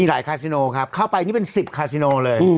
หลายคาซิโนครับเข้าไปนี่เป็น๑๐คาซิโนเลย